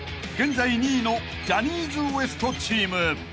現在２位のジャニーズＷＥＳＴチーム］